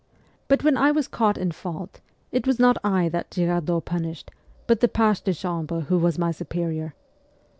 But when I was caught in fault, it was not I that Girardot punished, but the page de chambre who was my superior.